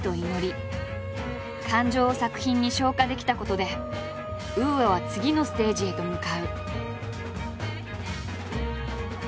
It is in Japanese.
感情を作品に昇華できたことでＵＡは次のステージへと向かう。